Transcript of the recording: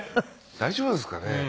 大丈夫ですかね？